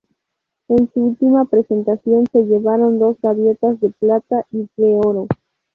En su última presentación, se llevaron dos Gaviotas de Plata y de Oro.